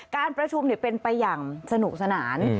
การประชุมเป็นไปอย่างสนุกสนาน